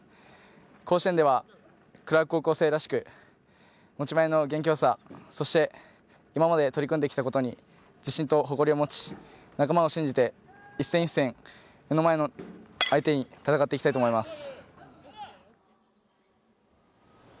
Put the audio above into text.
甲子園ではクラーク高校生らしく持ち前の元気よさ、そして今まで取り組んできたことに自信と誇りを持ち、仲間を信じて１戦１戦、目の前の相手に戦っていきたいと思います。